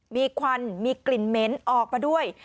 มีควันมีกลิ่นเหม็นออกมาด้วย